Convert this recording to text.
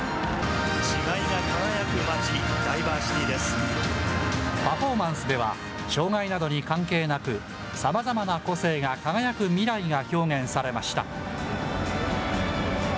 輝く街、パフォーマンスでは、障害などに関係なく、さまざまな個性が輝く未来が表現されました。